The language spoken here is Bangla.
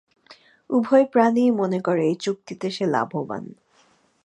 উভয় প্রাণীই মনে করে এই চুক্তিতে সে লাভবান।